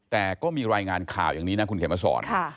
แต่ก็มีรายงานข่าวอย่างนี้นะคุณเขียนมาสอน